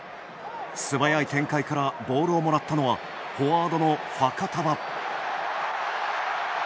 素早い展開からボールをもらったのはフォワードのファカタヴァ。